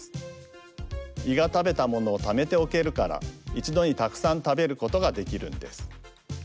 胃が食べた物をためておけるからいちどにたくさん食べることができるんです。